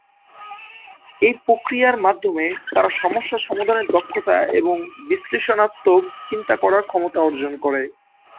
এই প্রক্রিয়ার মাধ্যমে, তারা সমস্যা সমাধানের দক্ষতা এবং বিশ্লেষণাত্মক চিন্তা করার ক্ষমতা অর্জন করে।